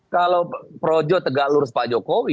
kalau projo tegak lurus pak jokowi